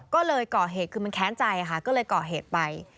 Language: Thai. ก็เลยก่อเหตุคือมันแค้นใจค่ะก็เลยก่อเหตุไป